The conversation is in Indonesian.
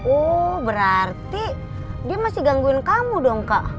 oh berarti dia masih gangguin kamu dong kak